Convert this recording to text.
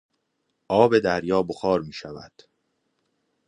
آب دریا بخار میشود.